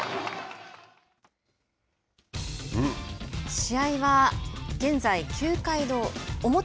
試合は現在９回表。